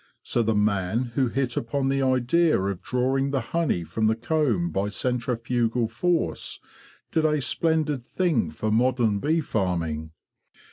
So the man who hit upon the idea of drawing the honey from the comb by centrifugal force did a splendid thing for modern bee farming.